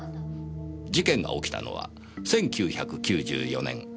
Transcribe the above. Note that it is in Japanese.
事件が起きたのは１９９４年１月１９日。